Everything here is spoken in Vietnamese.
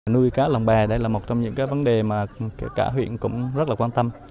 nuôi cá lòng bè là một trong những vấn đề mà cả huyện cũng rất quan tâm